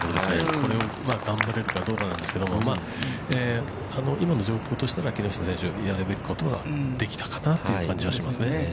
これ頑張れるかどうかなんですけど、今の状況としたら、木下選手、やるべきことはできたかなという感じはしますね。